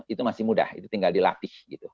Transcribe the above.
itu masih mudah itu tinggal dilatih gitu